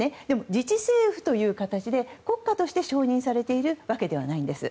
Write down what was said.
自治政府という形で国家として承認されているわけではないんです。